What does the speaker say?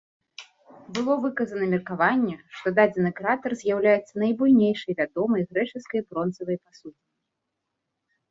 Было выказана меркаванне, што дадзены кратар з'яўляецца найбуйнейшай вядомай грэчаскай бронзавай пасудзінай.